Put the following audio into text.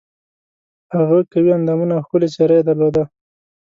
هغه قوي اندامونه او ښکلې څېره یې درلوده.